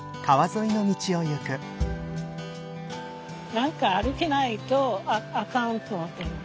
何か歩けないとあかんと思ってるの。